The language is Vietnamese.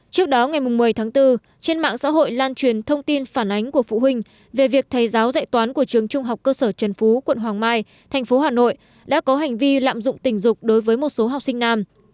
trước đó ngày một mươi tháng bốn trên mạng xã hội lan truyền thông tin phản ánh của phụ huynh về việc thầy giáo dạy toán của trường trung học cơ sở trần phú quận hoàng mai thành phố hà nội đã có hành vi lạm dụng tình dục đối với một số học sinh nam